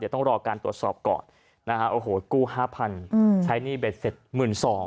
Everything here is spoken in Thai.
ต้องรอการตรวจสอบก่อนนะฮะโอ้โหกู้๕๐๐๐ใช้หนี้เบ็ดเสร็จ๑๒๐๐